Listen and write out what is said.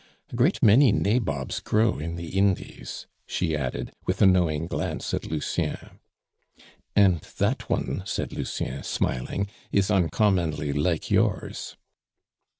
A great many nabobs grow in the Indies," she added, with a knowing glance at Lucien. "And that one," said Lucien, smiling, "is uncommonly like yours."